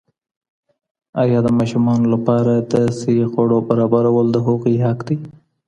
ایا د ماشومانو لپاره د صحي خوړو برابرول د هغوی حق دی؟